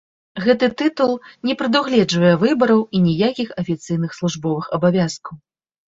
Гэты тытул не прадугледжвае выбараў і ніякіх афіцыйных службовых абавязкаў.